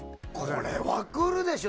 これは来るでしょ。